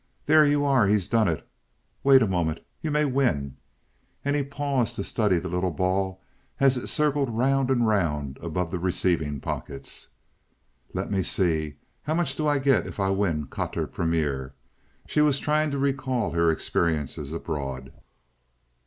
There you are. He's done it. Wait a moment. You may win." And he paused to study the little ball as it circled round and round above the receiving pockets. "Let me see. How much do I get if I win quatre premier?" She was trying to recall her experiences abroad.